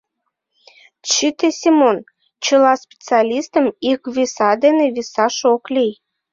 Чыте, Семон: чыла специалистым ик виса дене висаш ок лий.